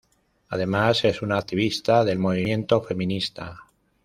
Además es una activista del movimiento feminista.